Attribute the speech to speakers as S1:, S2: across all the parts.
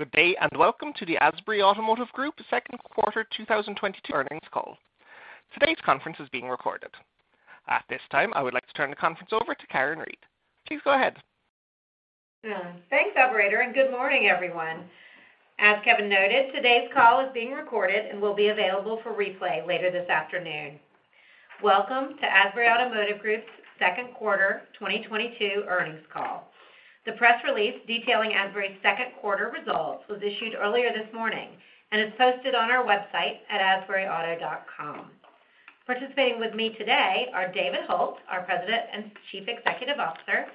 S1: Good day, and welcome to the Asbury Automotive Group Q2 2022 earnings call. Today's conference is being recorded. At this time, I would like to turn the conference over to Karen Reid. Please go ahead.
S2: Thanks, operator, and good morning, everyone. As Karen noted, today's call is being recorded and will be available for replay later this afternoon. Welcome to Asbury Automotive Group's Q2 2022 earnings call. The press release detailing Asbury's Q2 results was issued earlier this morning and is posted on our website at asburyauto.com. Participating with me today are David Hult, our President and Chief Executive Officer,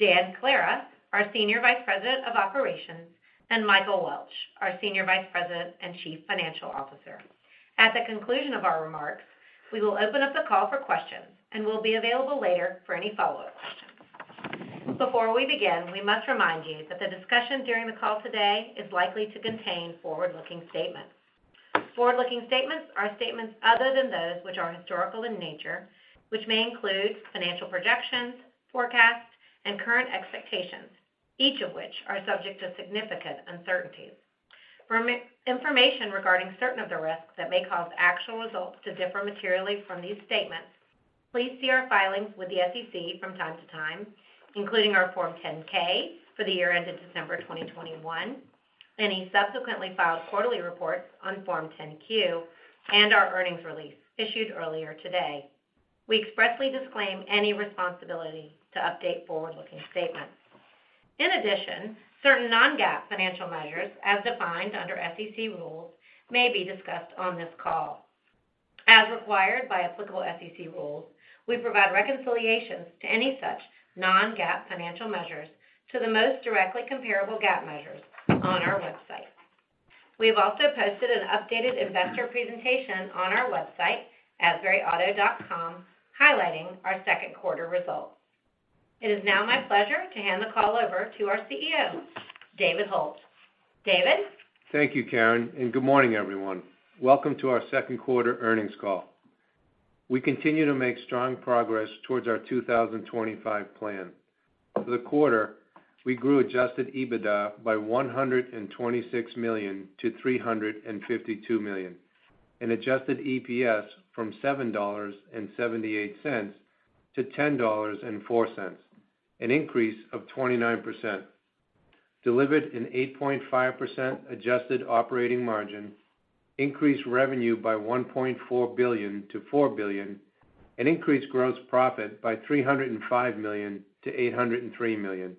S2: Dan Clara, our Senior Vice President of Operations, and Michael Welch, our Senior Vice President and Chief Financial Officer. At the conclusion of our remarks, we will open up the call for questions and will be available later for any follow-up questions. Before we begin, we must remind you that the discussion during the call today is likely to contain forward-looking statements. Forward-looking statements are statements other than those which are historical in nature, which may include financial projections, forecasts, and current expectations, each of which are subject to significant uncertainties. For more information regarding certain of the risks that may cause actual results to differ materially from these statements, please see our filings with the SEC from time to time, including our Form 10-K for the year ended December 2021, any subsequently filed quarterly reports on Form 10-Q, and our earnings release issued earlier today. We expressly disclaim any responsibility to update forward-looking statements. In addition, certain non-GAAP financial measures as defined under SEC rules may be discussed on this call. As required by applicable SEC rules, we provide reconciliations to any such non-GAAP financial measures to the most directly comparable GAAP measures on our website. We have also posted an updated investor presentation on our website, asburyauto.com, highlighting our Q2 results. It is now my pleasure to hand the call over to our CEO, David Hult. David?
S3: Thank you, Karen, and good morning, everyone. Welcome to our Q2 earnings call. We continue to make strong progress towards our 2025 plan. For the quarter, we grew adjusted EBITDA by $126 million to $352 million and adjusted EPS from $7.78 to $10.04, an increase of 29%, delivered an 8.5% adjusted operating margin, increased revenue by $1.4 billion to $4 billion, and increased gross profit by $305 million to $803 million,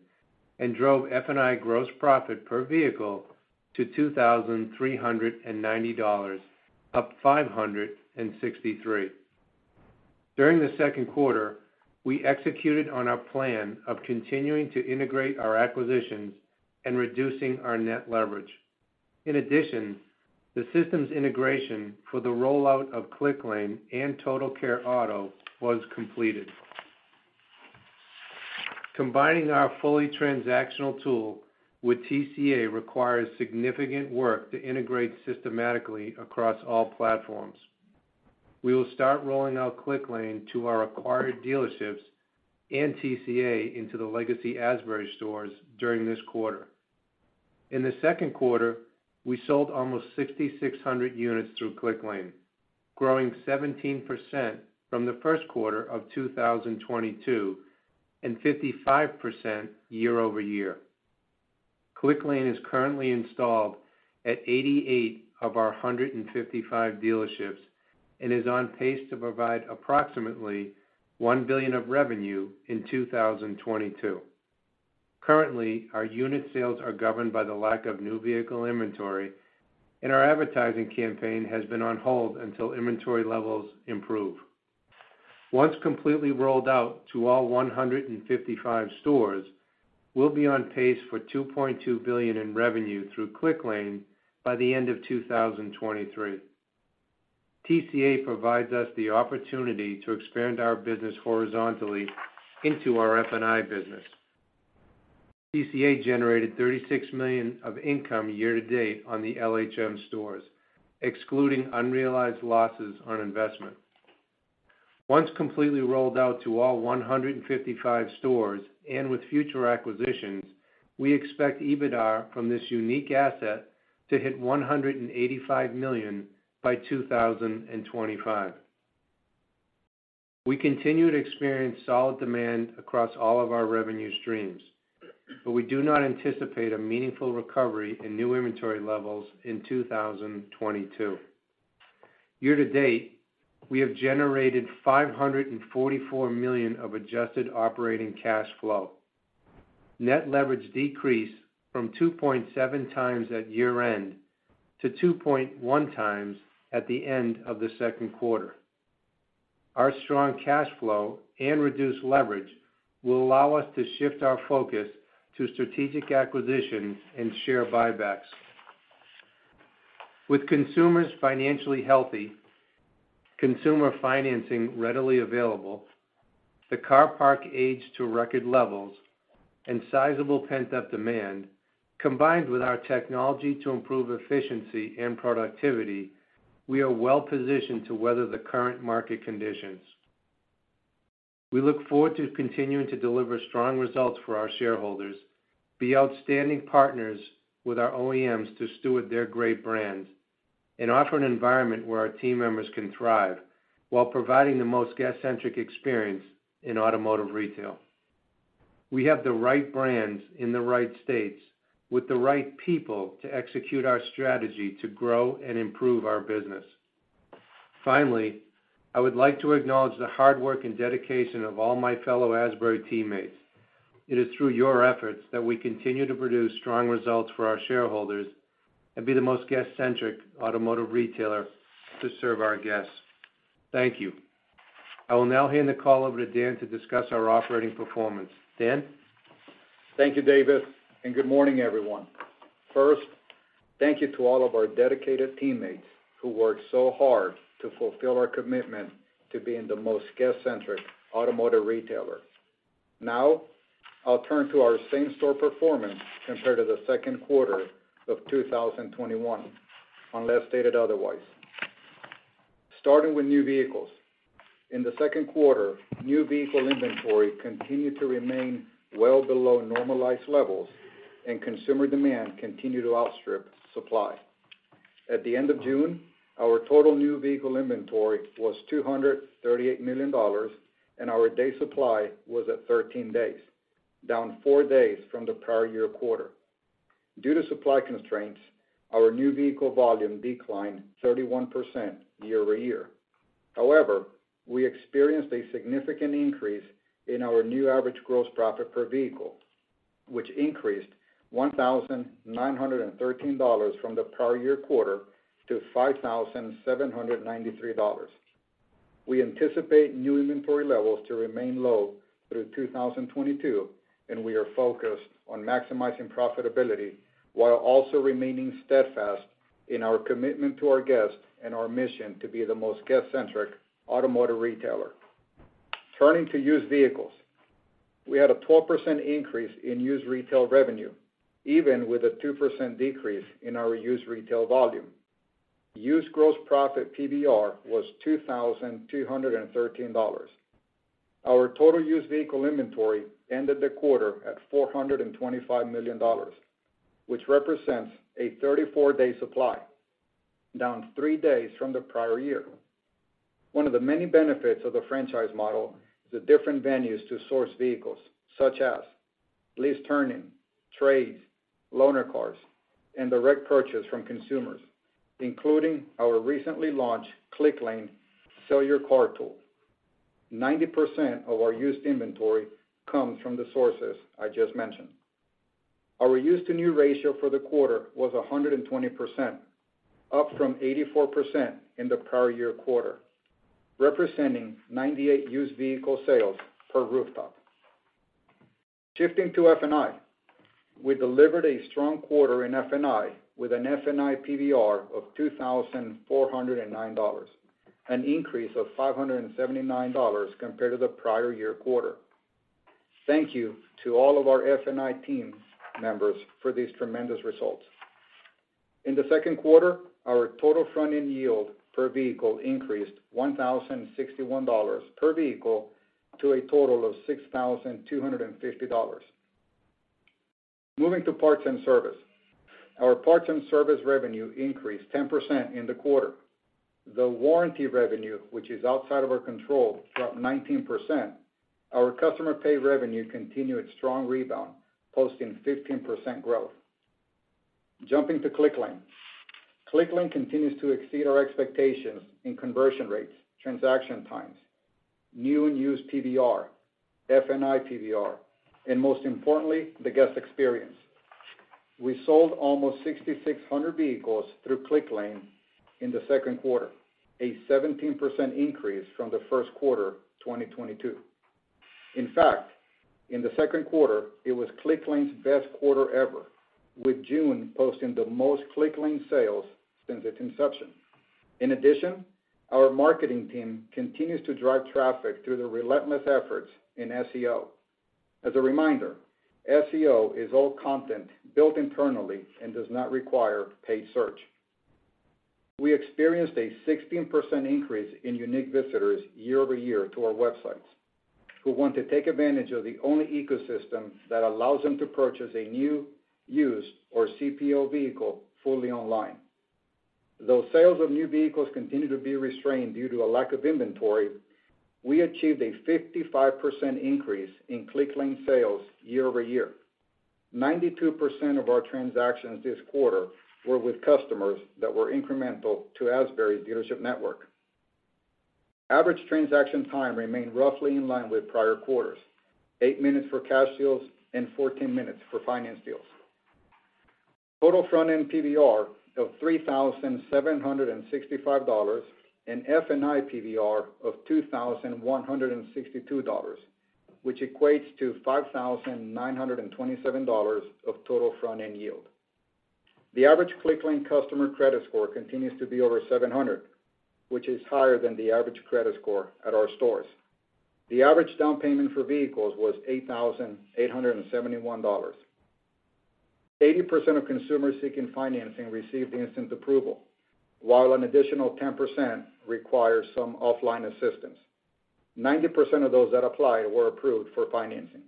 S3: and drove F&I gross profit per vehicle to $2,390, up $563. During the Q2, we executed on our plan of continuing to integrate our acquisitions and reducing our net leverage. In addition, the systems integration for the rollout of Clicklane and Total Care Auto was completed. Combining our fully transactional tool with TCA requires significant work to integrate systematically across all platforms. We will start rolling out Clicklane to our acquired dealerships and TCA into the legacy Asbury stores during this quarter. In the Q2, we sold almost 6,600 units through Clicklane, growing 17% from the Q1 of 2022 and 55% year-over-year. Clicklane is currently installed at 88 of our 155 dealerships and is on pace to provide approximately $1 billion of revenue in 2022. Currently, our unit sales are governed by the lack of new vehicle inventory, and our advertising campaign has been on hold until inventory levels improve. Once completely rolled out to all 155 stores, we'll be on pace for $2.2 billion in revenue through Clicklane by the end of 2023. TCA provides us the opportunity to expand our business horizontally into our F&I business. TCA generated $36 million of income year to date on the LHM stores, excluding unrealized losses on investment. Once completely rolled out to all 155 stores, and with future acquisitions, we expect EBITDA from this unique asset to hit $185 million by 2025. We continue to experience solid demand across all of our revenue streams, but we do not anticipate a meaningful recovery in new inventory levels in 2022. Year to date, we have generated $544 million of adjusted operating cash flow. Net leverage decreased from 2.7 times at year end to 2.1 times at the end of the Q2. Our strong cash flow and reduced leverage will allow us to shift our focus to strategic acquisitions and share buybacks. With consumers financially healthy, consumer financing readily available, the car park aged to record levels and sizable pent-up demand, combined with our technology to improve efficiency and productivity, we are well positioned to weather the current market conditions. We look forward to continuing to deliver strong results for our shareholders, be outstanding partners with our OEMs to steward their great brands, and offer an environment where our team members can thrive while providing the most guest-centric experience in automotive retail. We have the right brands in the right states with the right people to execute our strategy to grow and improve our business. Finally, I would like to acknowledge the hard work and dedication of all my fellow Asbury teammates. It is through your efforts that we continue to produce strong results for our shareholders and be the most guest-centric automotive retailer to serve our guests. Thank you. I will now hand the call over to Dan to discuss our operating performance. Dan?
S4: Thank you, David, and good morning, everyone. First, thank you to all of our dedicated teammates who work so hard to fulfill our commitment to being the most guest-centric automotive retailer. Now, I'll turn to our same-store performance compared to the Q2 of 2021, unless stated otherwise. Starting with new vehicles. In the Q2, new vehicle inventory continued to remain well below normalized levels, and consumer demand continued to outstrip supply. At the end of June, our total new vehicle inventory was $238 million, and our day supply was at 13 days, down 4 days from the prior year quarter. Due to supply constraints, our new vehicle volume declined 31% year-over-year. However, we experienced a significant increase in our new average gross profit per vehicle, which increased $1,913 from the prior year quarter to $5,793. We anticipate new inventory levels to remain low through 2022, and we are focused on maximizing profitability while also remaining steadfast in our commitment to our guests and our mission to be the most guest-centric automotive retailer. Turning to used vehicles. We had a 12% increase in used retail revenue, even with a 2% decrease in our used retail volume. Used gross profit PVR was $2,213. Our total used vehicle inventory ended the quarter at $425 million, which represents a 34-day supply, down 3 days from the prior year. One of the many benefits of the franchise model is the different venues to source vehicles, such as lease turning, trades, loaner cars, and direct purchase from consumers, including our recently launched Clicklane Sell Your Car tool. 90% of our used inventory comes from the sources I just mentioned. Our used-to-new ratio for the quarter was 120%, up from 84% in the prior year quarter, representing 98 used vehicle sales per rooftop. Shifting to F&I. We delivered a strong quarter in F&I with an F&I PVR of $2,409, an increase of $579 compared to the prior year quarter. Thank you to all of our F&I team members for these tremendous results. In the Q2, our total front-end yield per vehicle increased $1,061 per vehicle to a total of $6,250. Moving to parts and service. Our parts and service revenue increased 10% in the quarter. The warranty revenue, which is outside of our control, dropped 19%. Our customer pay revenue continued its strong rebound, posting 15% growth. Jumping to Clicklane. Clicklane continues to exceed our expectations in conversion rates, transaction times, new and used PVR, F&I PVR, and most importantly, the guest experience. We sold almost 6,600 vehicles through Clicklane in the Q2, a 17% increase from the Q1 2022. In fact, in the Q2, it was Clicklane's best quarter ever, with June posting the most Clicklane sales since its inception. In addition, our marketing team continues to drive traffic through the relentless efforts in SEO. As a reminder, SEO is all content built internally and does not require paid search. We experienced a 16% increase in unique visitors year-over-year to our websites who want to take advantage of the only ecosystem that allows them to purchase a new, used, or CPO vehicle fully online. Though sales of new vehicles continue to be restrained due to a lack of inventory, we achieved a 55% increase in Clicklane sales year-over-year. 92% of our transactions this quarter were with customers that were incremental to Asbury dealership network. Average transaction time remained roughly in line with prior quarters, 8 minutes for cash deals and 14 minutes for finance deals. Total front-end PVR of $3,765 and F&I PVR of $2,162, which equates to $5,927 of total front-end yield. The average Clicklane customer credit score continues to be over 700, which is higher than the average credit score at our stores. The average down payment for vehicles was $8,871. Eighty percent of consumers seeking financing received instant approval, while an additional 10% require some offline assistance. Ninety percent of those that applied were approved for financing.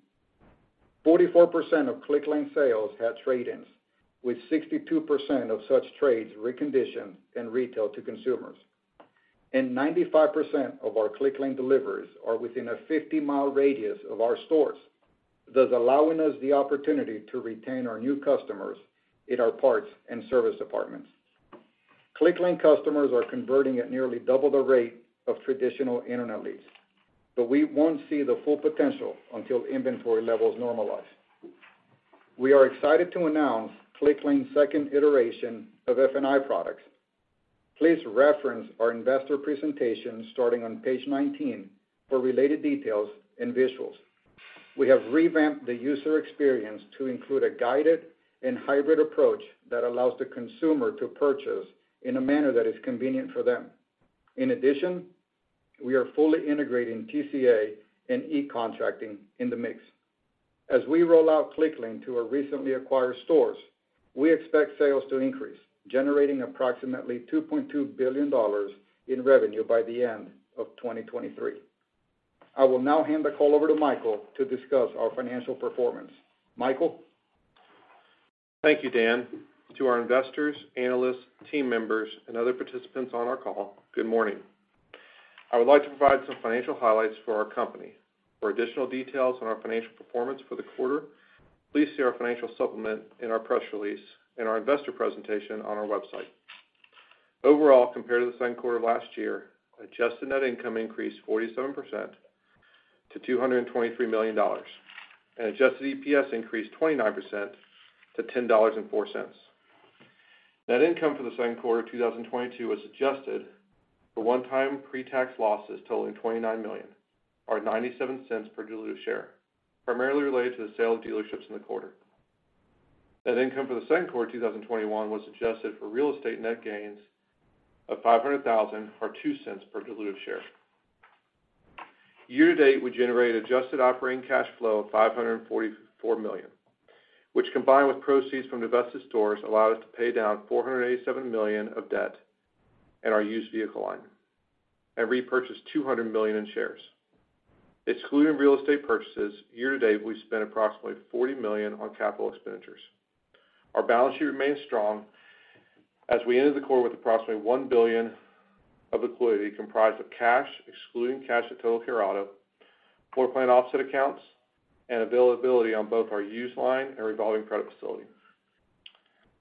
S4: Forty-four percent of Clicklane sales had trade-ins, with 62% of such trades reconditioned and retailed to consumers. Ninety-five percent of our Clicklane deliveries are within a 50-mile radius of our stores, thus allowing us the opportunity to retain our new customers in our parts and service departments. Clicklane customers are converting at nearly double the rate of traditional internet leads, but we won't see the full potential until inventory levels normalize. We are excited to announce Clicklane's second iteration of F&I products. Please reference our investor presentation starting on page 19 for related details and visuals. We have revamped the user experience to include a guided and hybrid approach that allows the consumer to purchase in a manner that is convenient for them. In addition, we are fully integrating TCA and eContracting in the mix. As we roll out Clicklane to our recently acquired stores, we expect sales to increase, generating approximately $2.2 billion in revenue by the end of 2023. I will now hand the call over to Michael to discuss our financial performance. Michael?
S5: Thank you, Dan Clara. To our investors, analysts, team members, and other participants on our call, good morning. I would like to provide some financial highlights for our company. For additional details on our financial performance for the quarter, please see our financial supplement in our press release and our investor presentation on our website. Overall, compared to the same quarter last year, adjusted net income increased 47% to $223 million, and adjusted EPS increased 29% to $10.04. Net income for the Q2 of 2022 was adjusted for one-time pre-tax losses totaling $29 million, or $0.97 per diluted share, primarily related to the sale of dealerships in the quarter. Net income for the Q2 of 2021 was adjusted for real estate net gains of $500,000 or $0.02 per diluted share. Year to date, we generated adjusted operating cash flow of $544 million, which combined with proceeds from divested stores allowed us to pay down $487 million of debt in our used vehicle line and repurchase $200 million in shares. Excluding real estate purchases, year to date, we spent approximately $40 million on capital expenditures. Our balance sheet remains strong as we ended the quarter with approximately $1 billion of liquidity comprised of cash, excluding cash at Total Care Auto, floor plan offset accounts, and availability on both our used line and revolving credit facility.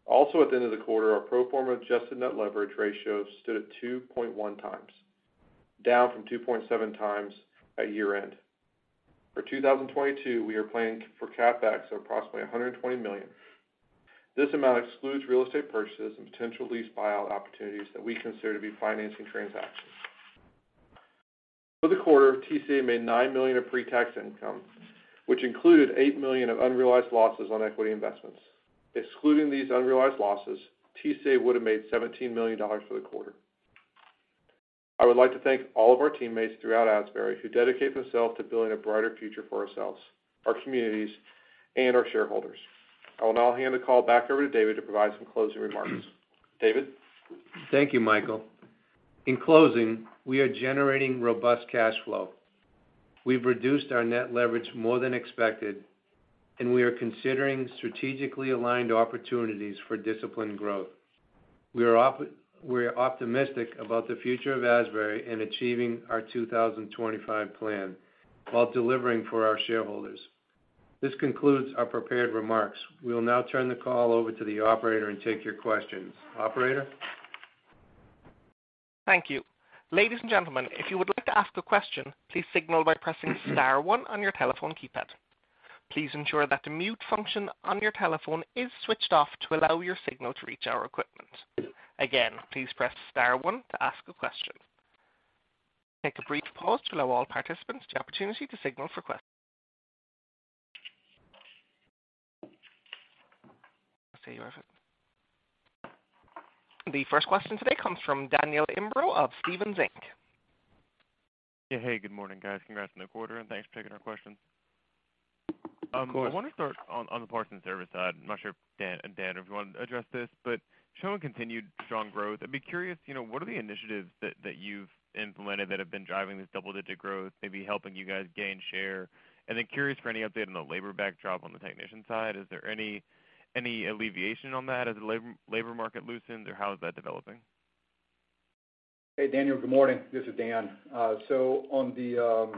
S5: Also at the end of the quarter, our pro forma adjusted net leverage ratio stood at 2.1 times, down from 2.7 times at year-end. For 2022, we are planning for CapEx of approximately $120 million. This amount excludes real estate purchases and potential lease buyout opportunities that we consider to be financing transactions. For the quarter, TCA made $9 million of pre-tax income, which included $8 million of unrealized losses on equity investments. Excluding these unrealized losses, TCA would have made $17 million for the quarter. I would like to thank all of our teammates throughout Asbury who dedicate themselves to building a brighter future for ourselves, our communities, and our shareholders. I will now hand the call back over to David to provide some closing remarks. David?
S3: Thank you, Michael. In closing, we are generating robust cash flow. We've reduced our net leverage more than expected, and we are considering strategically aligned opportunities for disciplined growth. We're optimistic about the future of Asbury in achieving our 2025 plan while delivering for our shareholders. This concludes our prepared remarks. We will now turn the call over to the operator and take your questions. Operator?
S1: Thank you. Ladies and gentlemen, if you would like to ask a question, please signal by pressing star one on your telephone keypad. Please ensure that the mute function on your telephone is switched off to allow your signal to reach our equipment. Again, please press star one to ask a question. We'll take a brief pause to allow all participants the opportunity to signal for a question. The first question today comes from Daniel Imbro of Stephens Inc.
S6: Yeah. Hey, good morning, guys. Congrats on the quarter, and thanks for taking our questions.
S4: Of course.
S6: I want to start on the parts and service side. I'm not sure if Dan Clara, if you want to address this, but showing continued strong growth, I'd be curious, you know, what are the initiatives that you've implemented that have been driving this double-digit growth, maybe helping you guys gain share? Curious for any update on the labor backdrop on the technician side. Is there any alleviation on that as the labor market loosens, or how is that developing?
S4: Hey, Daniel, good morning. This is Dan Clara.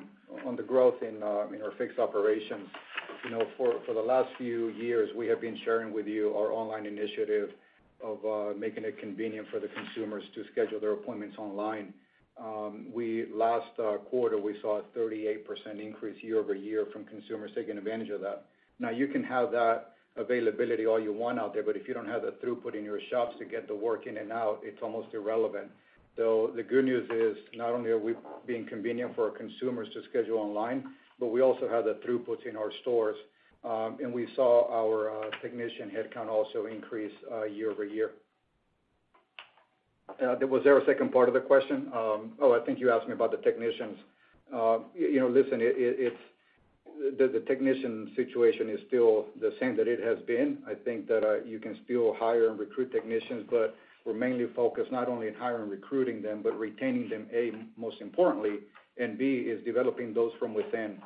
S4: On the growth in our fixed operations, you know, for the last few years, we have been sharing with you our online initiative of making it convenient for the consumers to schedule their appointments online. Last quarter, we saw a 38% increase year-over-year from consumers taking advantage of that. Now, you can have that availability all you want out there, but if you don't have the throughput in your shops to get the work in and out, it's almost irrelevant. The good news is not only are we being convenient for our consumers to schedule online, but we also have the throughput in our stores, and we saw our technician headcount also increase year-over-year. There was a second part of the question? I think you asked me about the technicians. You know, listen, it's the technician situation is still the same that it has been. I think that you can still hire and recruit technicians, but we're mainly focused not only in hiring and recruiting them, but retaining them, A, most importantly, and B, is developing those from within.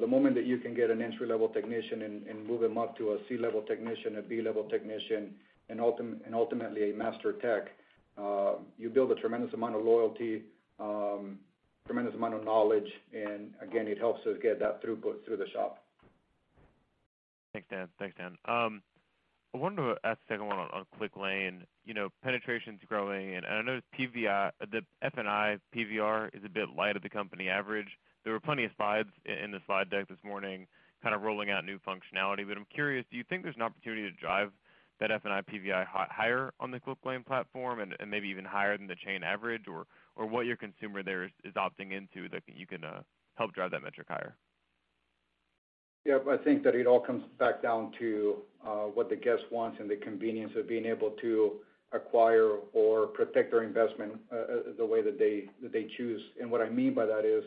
S4: The moment that you can get an entry-level technician and move them up to a C-level technician, a B-level technician, and ultimately a master tech, you build a tremendous amount of loyalty, tremendous amount of knowledge, and again, it helps us get that throughput through the shop.
S6: Thanks, Dan. I wanted to ask the second one on Quick Lane. You know, penetration's growing and I know the F&I PVR is a bit light on the company average. There were plenty of slides in the slide deck this morning kind of rolling out new functionality. I'm curious, do you think there's an opportunity to drive that F&I PVR higher on the Quick Lane platform and maybe even higher than the chain average? What your consumer there is opting into that you can help drive that metric higher?
S4: Yeah. I think that it all comes back down to what the guest wants and the convenience of being able to acquire or protect their investment, the way that they choose. What I mean by that is,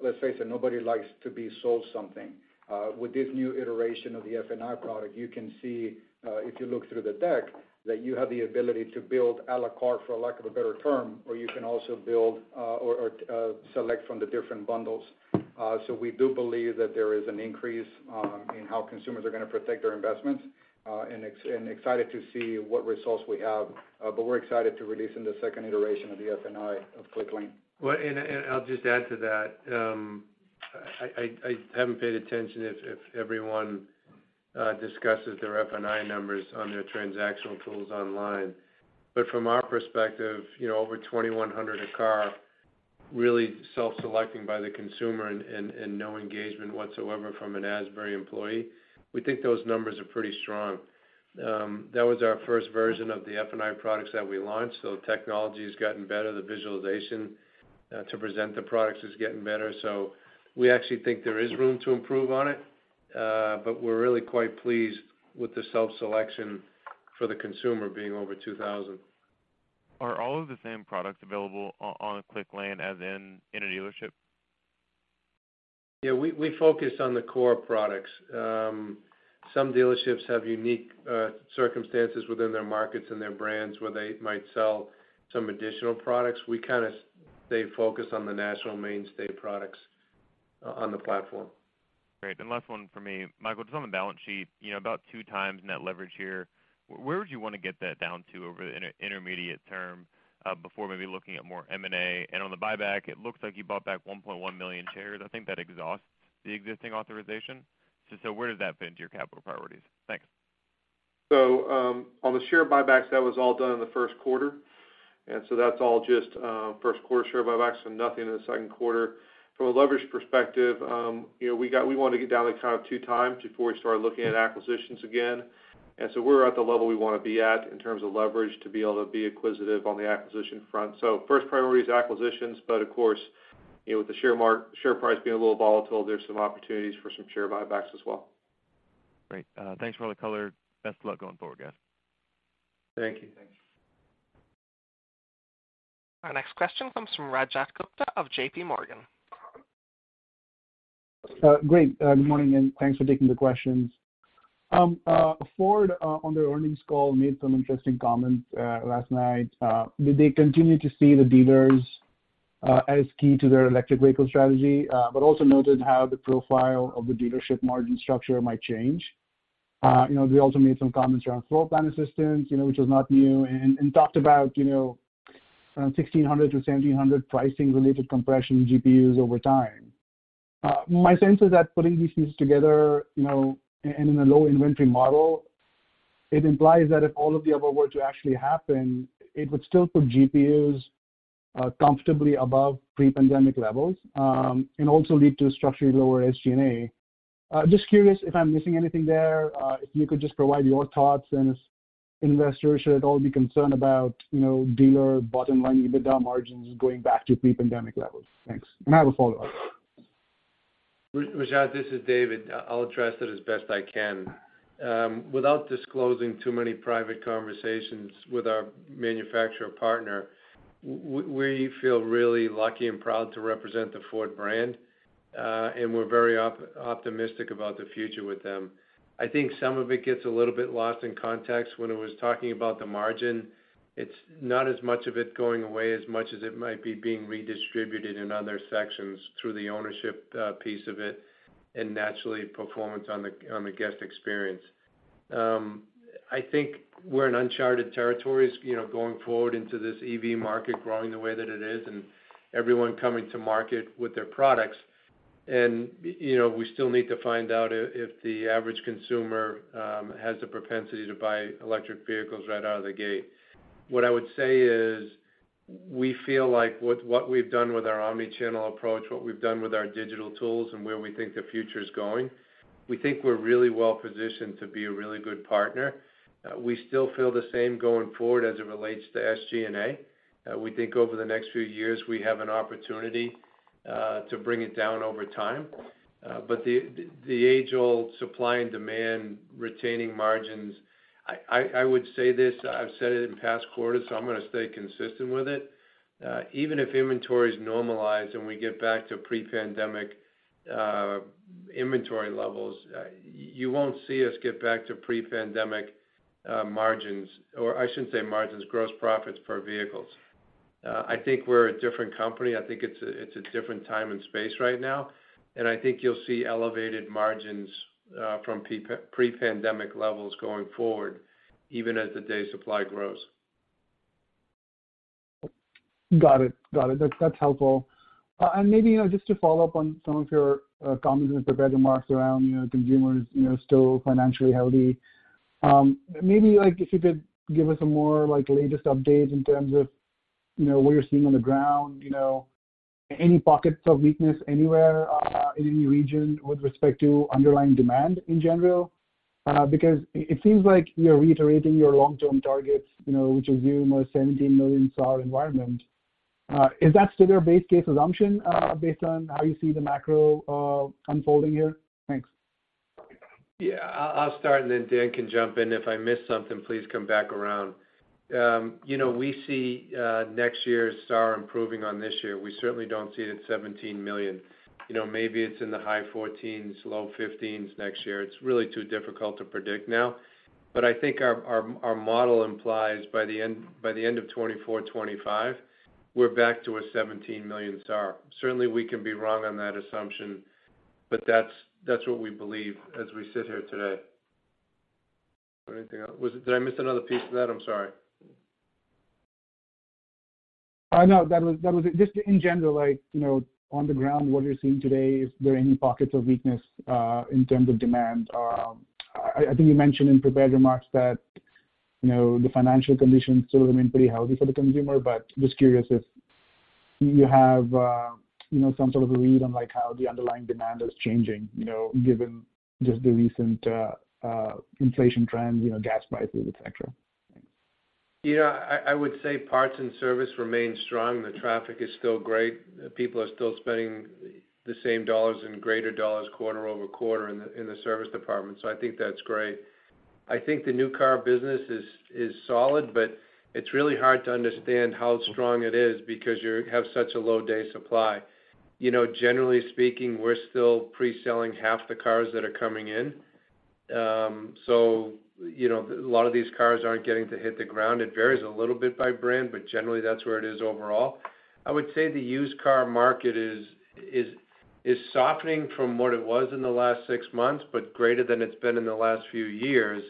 S4: let's face it, nobody likes to be sold something. With this new iteration of the F&I product, you can see, if you look through the deck, that you have the ability to build à la carte, for lack of a better term, or you can also select from the different bundles. So we do believe that there is an increase in how consumers are gonna protect their investments, and excited to see what results we have. But we're excited to release in the second iteration of the F&I of Quick Lane.
S3: I'll just add to that. I haven't paid attention if everyone discusses their F&I numbers on their transactional tools online. But from our perspective, you know, over $2,100 a car really self-selecting by the consumer and no engagement whatsoever from an Asbury employee, we think those numbers are pretty strong. That was our first version of the F&I products that we launched. Technology has gotten better, the visualization to present the products is getting better. We actually think there is room to improve on it, but we're really quite pleased with the self-selection for the consumer being over $2,000.
S6: Are all of the same products available on a Quick Lane as in a dealership?
S3: Yeah. We focus on the core products. Some dealerships have unique circumstances within their markets and their brands where they might sell some additional products. We kinda stay focused on the national mainstay products on the platform.
S6: Great. Last one for me. Michael, just on the balance sheet, you know, about 2x net leverage here. Where would you wanna get that down to over the intermediate term, before maybe looking at more M&A? On the buyback, it looks like you bought back 1.1 million shares. I think that exhausts the existing authorization. Where does that fit into your capital priorities? Thanks.
S5: On the share buybacks, that was all done in the Q1. That's all just Q1 share buybacks and nothing in the Q2. From a leverage perspective, you know, we wanna get down to kind of 2x before we start looking at acquisitions again. We're at the level we wanna be at in terms of leverage to be able to be acquisitive on the acquisition front. First priority is acquisitions, but of course, you know, with the share price being a little volatile, there's some opportunities for some share buybacks as well.
S6: Great. Thanks for all the color. Best of luck going forward, guys.
S4: Thank you.
S3: Thanks.
S1: Our next question comes from Rajat Gupta of J.P. Morgan.
S7: Great. Good morning, and thanks for taking the questions. Ford on their earnings call made some interesting comments last night. Did they continue to see the dealers as key to their electric vehicle strategy, but also noted how the profile of the dealership margin structure might change? You know, they also made some comments around floor plan assistance, you know, which is not new, and talked about, you know, 1,600-1,700 pricing-related compression GPUs over time. My sense is that putting these pieces together, you know, and in a low inventory model, it implies that if all of the above were to actually happen, it would still put GPUs comfortably above pre-pandemic levels, and also lead to structurally lower SG&A. Just curious if I'm missing anything there, if you could just provide your thoughts, and as investors should at all be concerned about, you know, dealer bottom line EBITDA margins going back to pre-pandemic levels. Thanks. I have a follow-up.
S3: Rajat, this is David. I'll address it as best I can. Without disclosing too many private conversations with our manufacturer partner, we feel really lucky and proud to represent the Ford brand, and we're very optimistic about the future with them. I think some of it gets a little bit lost in context when it was talking about the margin. It's not as much of it going away as much as it might be being redistributed in other sections through the ownership piece of it, and naturally, performance on the guest experience. I think we're in uncharted territories, you know, going forward into this EV market growing the way that it is and everyone coming to market with their products. You know, we still need to find out if the average consumer has the propensity to buy electric vehicles right out of the gate. What I would say is we feel like with what we've done with our omni-channel approach, what we've done with our digital tools and where we think the future is going, we think we're really well positioned to be a really good partner. We still feel the same going forward as it relates to SG&A. We think over the next few years, we have an opportunity to bring it down over time. But the age-old supply and demand retaining margins. I would say this, I've said it in past quarters, so I'm going to stay consistent with it. Even if inventory is normalized and we get back to pre-pandemic inventory levels, you won't see us get back to pre-pandemic margins, or I shouldn't say margins, gross profits per vehicles. I think we're a different company. I think it's a different time and space right now, and I think you'll see elevated margins from pre-pandemic levels going forward, even as the day supply grows.
S7: Got it. That's helpful. Maybe, you know, just to follow up on some of your comments and prepared remarks around, you know, consumers, you know, still financially healthy. Maybe like if you could give us some more like latest updates in terms of, you know, what you're seeing on the ground, you know, any pockets of weakness anywhere, in any region with respect to underlying demand in general. Because it seems like you're reiterating your long-term targets, you know, which is you in a 17 million SAAR environment. Is that still your base case assumption, based on how you see the macro, unfolding here? Thanks.
S3: Yeah, I'll start, and then Dan can jump in. If I miss something, please come back around. You know, we see next year's SAAR improving on this year. We certainly don't see it at 17 million. You know, maybe it's in the high 14s, low 15s next year. It's really too difficult to predict now. I think our model implies by the end of 2024, 2025, we're back to a 17 million SAAR. Certainly, we can be wrong on that assumption, but that's what we believe as we sit here today. Anything else? Did I miss another piece of that? I'm sorry.
S7: No, that was it. Just in general, like, you know, on the ground, what you're seeing today, is there any pockets of weakness in terms of demand? I think you mentioned in prepared remarks that, you know, the financial conditions still remain pretty healthy for the consumer, but just curious if you have, you know, some sort of a read on, like, how the underlying demand is changing, you know, given just the recent inflation trends, you know, gas prices, et cetera.
S3: Yeah, I would say parts and service remain strong. The traffic is still great. People are still spending the same dollars and greater dollars quarter-over-quarter in the service department. So I think that's great. I think the new car business is solid, but it's really hard to understand how strong it is because you have such a low day supply. You know, generally speaking, we're still pre-selling half the cars that are coming in. So, you know, a lot of these cars aren't getting to hit the ground. It varies a little bit by brand, but generally that's where it is overall. I would say the used car market is softening from what it was in the last six months, but greater than it's been in the last few years.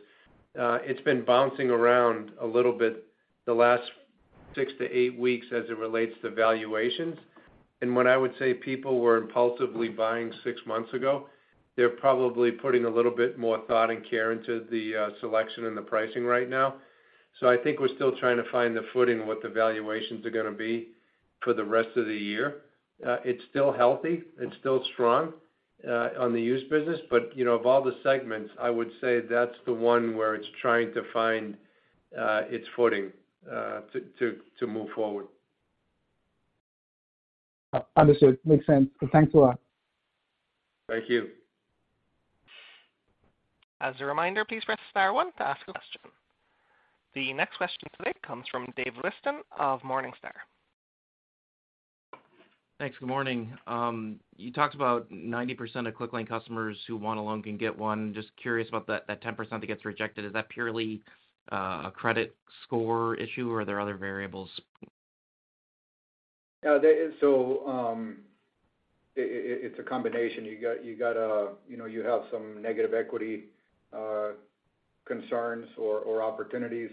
S3: It's been bouncing around a little bit the last 6-8 weeks as it relates to valuations. When I would say people were impulsively buying 6 months ago, they're probably putting a little bit more thought and care into the selection and the pricing right now. I think we're still trying to find the footing, what the valuations are going to be for the rest of the year. It's still healthy, it's still strong on the used business. You know, of all the segments, I would say that's the one where it's trying to find its footing to move forward.
S7: Understood. Makes sense. Thanks a lot.
S3: Thank you.
S1: As a reminder, please press star one to ask a question. The next question today comes from David Whiston of Morningstar.
S8: Thanks. Good morning. You talked about 90% of Clicklane customers who want a loan can get one. Just curious about that 10% that gets rejected. Is that purely a credit score issue, or are there other variables?
S4: It's a combination. You got you know you have some negative equity concerns or opportunities.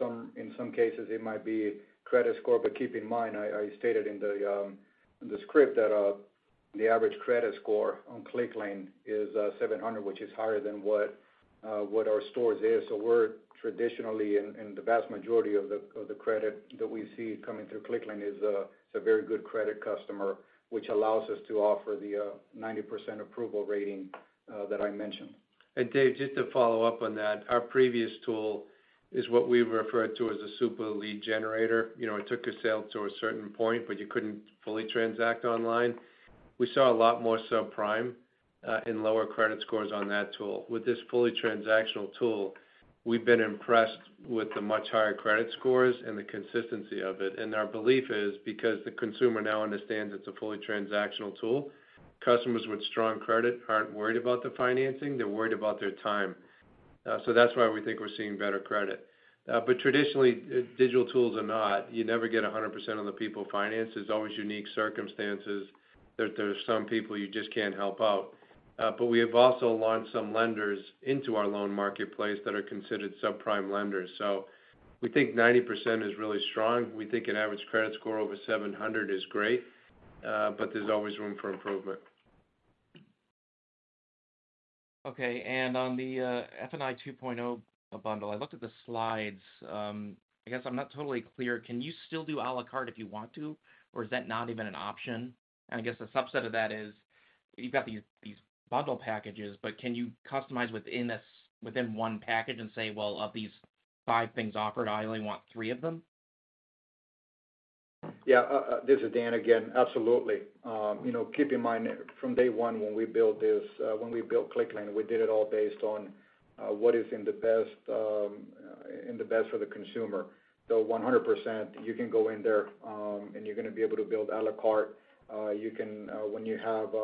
S4: In some cases it might be credit score. Keep in mind, I stated in the script that the average credit score on Clicklane is 700, which is higher than what our stores is. We're traditionally in the vast majority of the credit that we see coming through Clicklane is a very good credit customer, which allows us to offer the 90% approval rating that I mentioned.
S3: Dave, just to follow up on that, our previous tool is what we referred to as a super lead generator. You know, it took a sale to a certain point, but you couldn't fully transact online. We saw a lot more subprime and lower credit scores on that tool. With this fully transactional tool, we've been impressed with the much higher credit scores and the consistency of it. Our belief is because the consumer now understands it's a fully transactional tool, customers with strong credit aren't worried about the financing, they're worried about their time. That's why we think we're seeing better credit. Traditionally, digital tools are not. You never get 100% of the people financed. There's always unique circumstances that there are some people you just can't help out. We have also launched some lenders into our loan marketplace that are considered subprime lenders. We think 90% is really strong. We think an average credit score over 700 is great, but there's always room for improvement.
S8: Okay. On the F&I 2.0 bundle, I looked at the slides. I guess I'm not totally clear. Can you still do à la carte if you want to, or is that not even an option? I guess a subset of that is You've got these bundle packages, but can you customize within one package and say, "Well, of these five things offered, I only want three of them?
S4: Yeah. This is Dan again. Absolutely. You know, keep in mind, from day one when we built Clicklane, we did it all based on what is best for the consumer. 100% you can go in there, and you're gonna be able to build à la carte. You can, when you have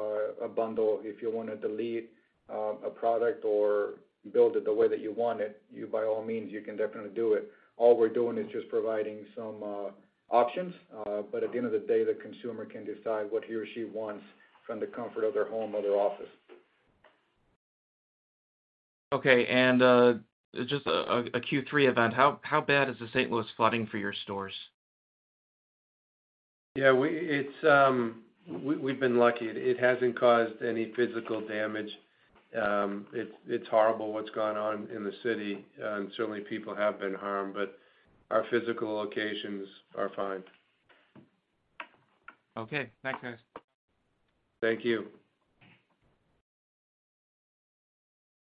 S4: a bundle, if you wanna delete a product or build it the way that you want it, you, by all means, you can definitely do it. All we're doing is just providing some options. At the end of the day, the consumer can decide what he or she wants from the comfort of their home or their office.
S8: Okay. Just a Q3 event, how bad is the St. Louis flooding for your stores?
S3: Yeah, it's. We've been lucky. It hasn't caused any physical damage. It's horrible what's gone on in the city, and certainly people have been harmed, but our physical locations are fine.
S8: Okay. Thanks, guys.
S3: Thank you.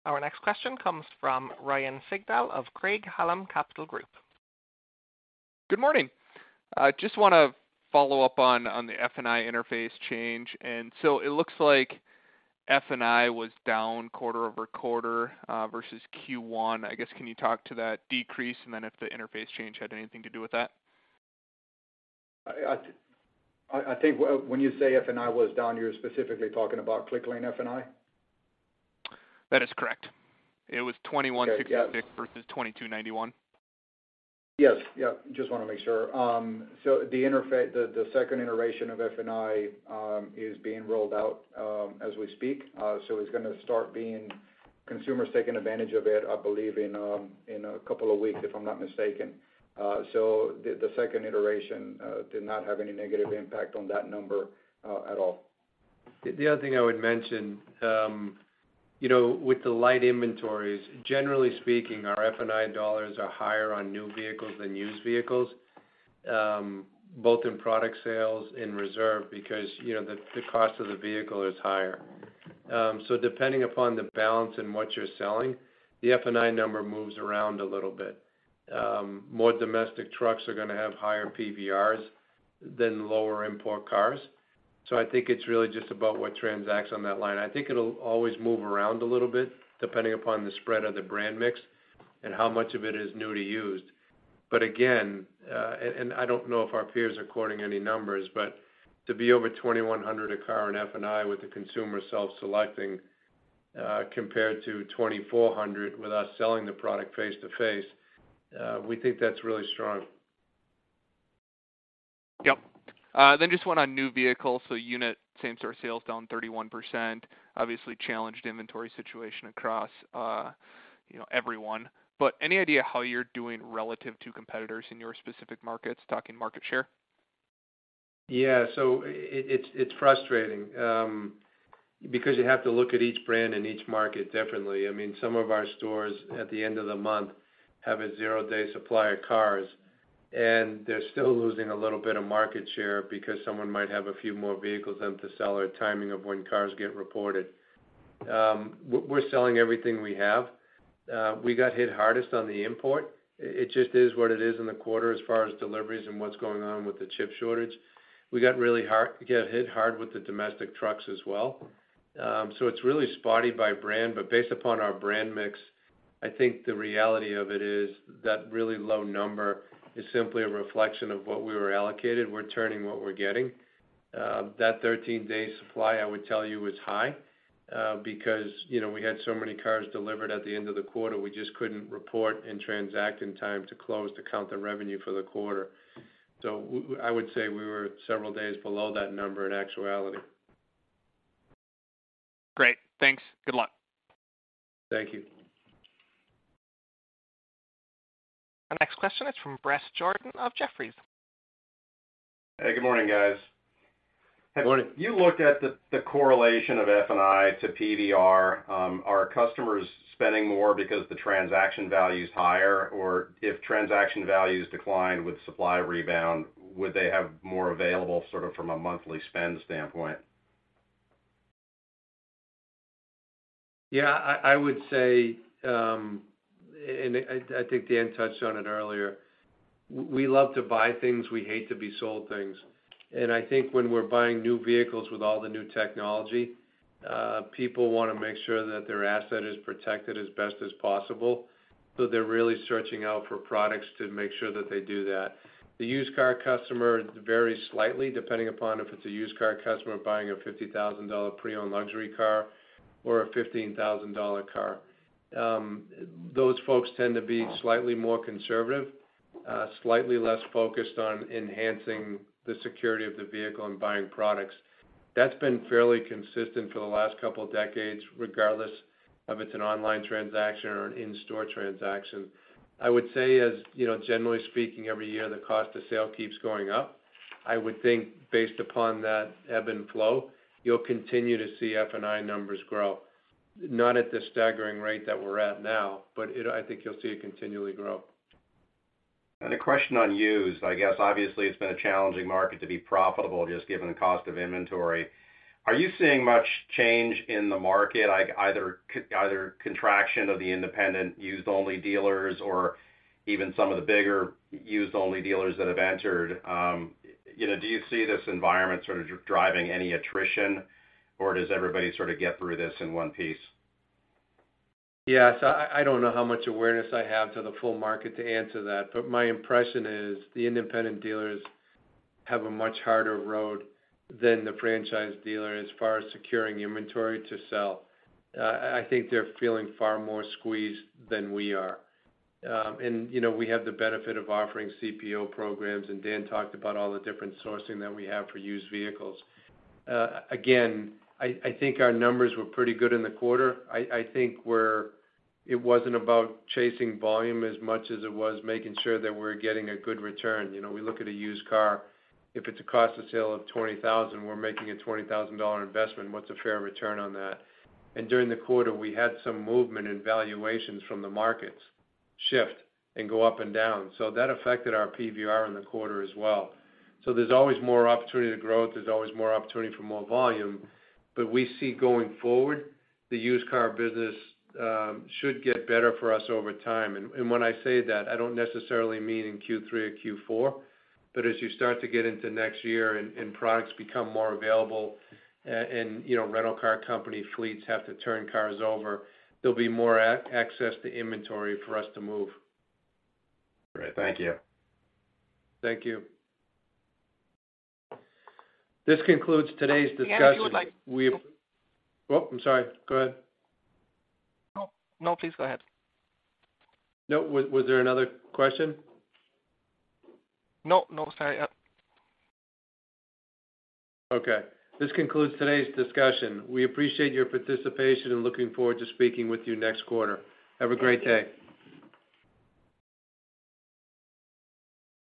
S1: Our next question comes from Ryan Sigdahl of Craig-Hallum Capital Group.
S9: Good morning. I just wanna follow up on the F&I interface change. It looks like F&I was down quarter-over-quarter versus Q1. I guess can you talk to that decrease and then if the interface change had anything to do with that?
S4: I think when you say F&I was down, you're specifically talking about Clicklane F&I?
S9: That is correct. It was $21.56.
S4: Okay. Yeah.
S9: versus $22.91.
S4: Yes. Yeah. Just wanna make sure. The second iteration of F&I is being rolled out as we speak. It's gonna start being consumers taking advantage of it, I believe, in a couple of weeks, if I'm not mistaken. The second iteration did not have any negative impact on that number at all.
S3: The other thing I would mention, you know, with the light inventories, generally speaking, our F&I dollars are higher on new vehicles than used vehicles, both in product sales and reserve because, you know, the cost of the vehicle is higher. Depending upon the balance and what you're selling, the F&I number moves around a little bit. More domestic trucks are gonna have higher PVRs than lower import cars. I think it's really just about what transacts on that line. I think it'll always move around a little bit depending upon the spread of the brand mix and how much of it is new to used. Again, and I don't know if our peers are quoting any numbers, but to be over $2,100 a car in F&I with the consumer self-selecting, compared to $2,400 with us selling the product face-to-face, we think that's really strong.
S9: Yep. Then just one on new vehicles. Unit same-store sales down 31%, obviously challenged inventory situation across, you know, everyone. Any idea how you're doing relative to competitors in your specific markets, talking market share?
S3: Yeah, it's frustrating because you have to look at each brand and each market differently. I mean, some of our stores at the end of the month have a zero-day supply of cars, and they're still losing a little bit of market share because someone might have a few more vehicles than to sell or timing of when cars get reported. We're selling everything we have. We got hit hardest on the import. It just is what it is in the quarter as far as deliveries and what's going on with the chip shortage. We got hit hard with the domestic trucks as well. It's really spotty by brand, but based upon our brand mix, I think the reality of it is that really low number is simply a reflection of what we were allocated. We're turning what we're getting. That 13-day supply, I would tell you, is high, because, you know, we had so many cars delivered at the end of the quarter, we just couldn't report and transact in time to close to count the revenue for the quarter. I would say we were several days below that number in actuality.
S9: Great. Thanks. Good luck.
S3: Thank you.
S1: Our next question is from Bret Jordan of Jefferies.
S10: Good morning, guys.
S3: Good morning.
S10: Have you looked at the correlation of F&I to PVR? Are customers spending more because the transaction value is higher? Or if transaction values decline with supply rebound, would they have more available sort of from a monthly spend standpoint?
S3: Yeah. I would say, I think Dan touched on it earlier, we love to buy things, we hate to be sold things. I think when we're buying new vehicles with all the new technology, people wanna make sure that their asset is protected as best as possible, so they're really searching out for products to make sure that they do that. The used car customer varies slightly, depending upon if it's a used car customer buying a $50,000 pre-owned luxury car or a $15,000 car. Those folks tend to be slightly more conservative, slightly less focused on enhancing the security of the vehicle and buying products. That's been fairly consistent for the last couple of decades, regardless of it's an online transaction or an in-store transaction. I would say as, you know, generally speaking, every year the cost of sale keeps going up. I would think based upon that ebb and flow, you'll continue to see F&I numbers grow. Not at the staggering rate that we're at now, but it'll, I think you'll see it continually grow.
S10: A question on used. I guess obviously it's been a challenging market to be profitable just given the cost of inventory. Are you seeing much change in the market, like either contraction of the independent used-only dealers or even some of the bigger used-only dealers that have entered? Do you see this environment sort of driving any attrition, or does everybody sort of get through this in one piece?
S3: Yes. I don't know how much awareness I have to the full market to answer that, but my impression is the independent dealers have a much harder road than the franchise dealer as far as securing inventory to sell. I think they're feeling far more squeezed than we are. You know, we have the benefit of offering CPO programs, and Dan talked about all the different sourcing that we have for used vehicles. I think our numbers were pretty good in the quarter. It wasn't about chasing volume as much as it was making sure that we're getting a good return. You know, we look at a used car. If it's a cost of sale of $20,000, we're making a $20,000 investment. What's a fair return on that? During the quarter, we had some movement in valuations from the markets shift and go up and down, so that affected our PVR in the quarter as well. There's always more opportunity to grow. There's always more opportunity for more volume. We see going forward, the used car business should get better for us over time. When I say that, I don't necessarily mean in Q3 or Q4, but as you start to get into next year and products become more available and, you know, rental car company fleets have to turn cars over, there'll be more access to inventory for us to move.
S10: All right. Thank you.
S3: Thank you. This concludes today's discussion.
S9: Yeah. If you would like.
S1: I'm sorry. Go ahead.
S9: No, no, please go ahead.
S3: No. Was there another question?
S9: No, no. Sorry.
S3: Okay. This concludes today's discussion. We appreciate your participation and looking forward to speaking with you next quarter. Have a great day.